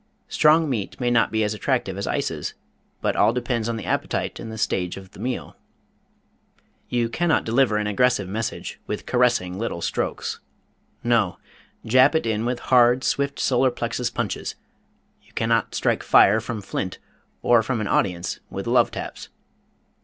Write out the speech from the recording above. Strong meat may not be as attractive as ices, but all depends on the appetite and the stage of the meal. You can not deliver an aggressive message with caressing little strokes. No! Jab it in with hard, swift solar plexus punches. You cannot strike fire from flint or from an audience with love taps.